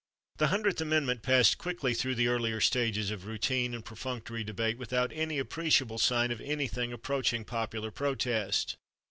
The Hundredth Amendment passed quickly though the earlier stages of routine and perfunctory debate without any appreciable sign of anything approaching popular protest.